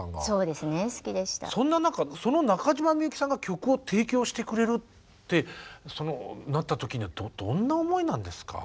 そんな中その中島みゆきさんが曲を提供してくれるってなった時にはどんな思いなんですか？